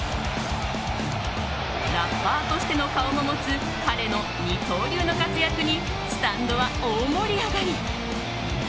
ラッパーとしての顔も持つ彼の二刀流の活躍にスタンドは大盛り上がり。